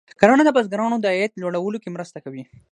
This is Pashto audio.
کرنه د بزګرانو د عاید لوړولو کې مرسته کوي.